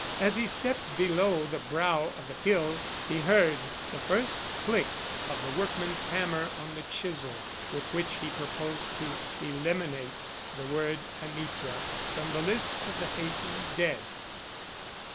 As he stepped below the brow of the hill he heard the first click of the workman's hammer on the chisel with which he proposed to eliminate the word Anitra from the list of the Hazen dead.